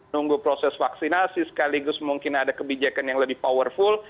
nunggu proses vaksinasi sekaligus mungkin ada kebijakan yang lebih powerful